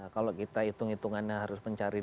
kalau kita hitung hitungannya harus mencari